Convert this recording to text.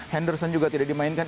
henderson juga tidak dimainkan